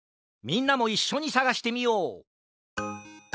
みんなもいっしょにさがしてみよう！